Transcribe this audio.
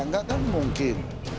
nggak akan mungkin